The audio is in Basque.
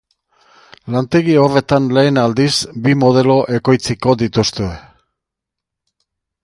Lantegi horretan lehen aldiz, bi modelo ekoitziko dituzte.